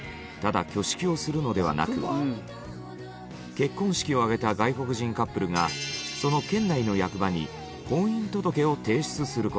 結婚式を挙げた外国人カップルがその県内の役場に婚姻届を提出する事。